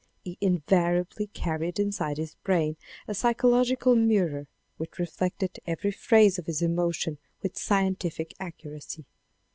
He in variably carried inside his brain a psychological mirror which reflected every phrase of his emotion with scientific accuracy.